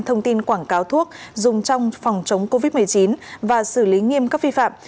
thông tin quảng cáo thuốc dùng trong phòng chống covid một mươi chín và xử lý nghiêm các vi phạm